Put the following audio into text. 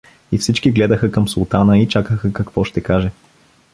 И всички гледаха към султана и чакаха какво ще каже.